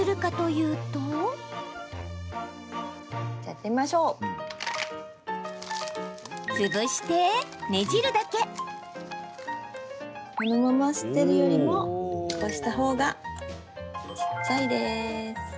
このまま捨てるよりもこうしたほうが小っちゃいです。